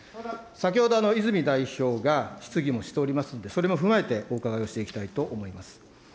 先ほど、泉代表が質疑もしておりますんで、それも踏まえてお伺いをしていきたいと思います。